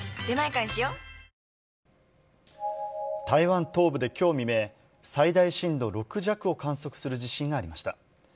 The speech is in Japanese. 台湾東部できょう未明、最大震度６弱を観測する地震がありました。